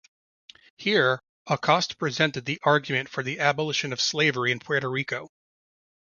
Here, Acosta presented the argument for the abolition of slavery in Puerto Rico.